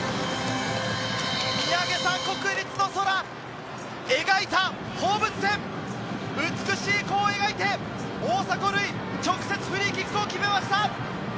見上げた国立の空、描いた放物線、美しい弧を描いて大迫塁、直接フリーキックを決めました！